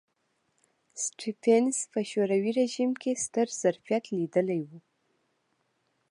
سټېفنس په شوروي رژیم کې ستر ظرفیت لیدلی و